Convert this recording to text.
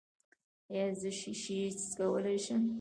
ایا زه شیشې څکولی شم؟